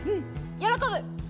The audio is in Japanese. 喜ぶ。